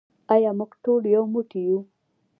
آیا موږ ټول یو موټی یو؟